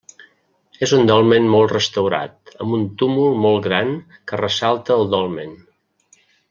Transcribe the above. És un dolmen molt restaurat, amb un túmul molt gran que ressalta el dolmen.